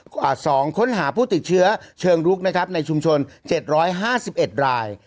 ๒ค้นหาผู้ติดเชื้อเชิงรุกในชุมชน๗๕๑ราย